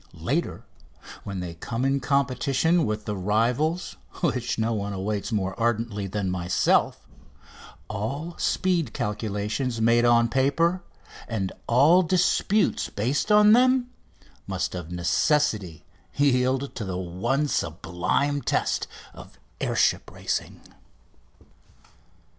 Later, when they come in competition with the rivals which no one awaits more ardently than myself, all speed calculations made on paper and all disputes based on them must of necessity yield to the one sublime test of air ship racing.